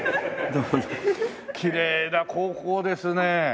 きれいな高校ですね。